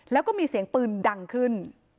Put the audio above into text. แล้วก็มีเสียงปืนดังขึ้น